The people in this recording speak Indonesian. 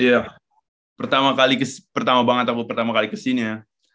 iya pertama kali pertama banget aku pertama kali kesini ya